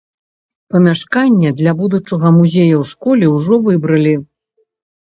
Памяшканне для будучага музея ў школе ўжо выбралі.